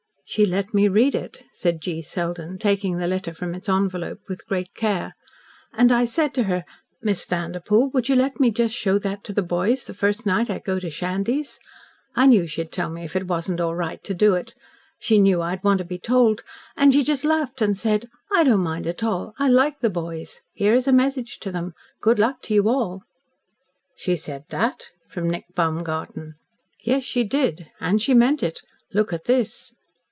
"She let me read it," said G. Selden, taking the letter from its envelope with great care. "And I said to her: 'Miss Vanderpoel, would you let me just show that to the boys the first night I go to Shandy's?' I knew she'd tell me if it wasn't all right to do it. She'd know I'd want to be told. And she just laughed and said: 'I don't mind at all. I like "the boys." Here is a message to them. "Good luck to you all."'" "She said that?" from Nick Baumgarten. "Yes, she did, and she meant it. Look at this."